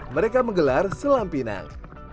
mereka menggelar selam pinang